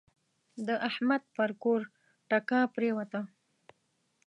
د احمد پر کور ټکه پرېوته.